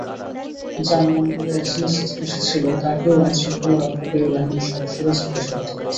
যাঁর নম্বরে এসএমএস এসেছিল, তাঁকেও আইনশৃঙ্খলা রক্ষাকারী বাহিনীর সদস্যরা জিজ্ঞাসাবাদ করেছেন।